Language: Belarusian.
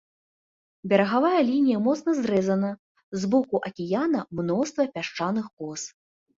Берагавая лінія моцна зрэзана, з боку акіяна мноства пясчаных кос.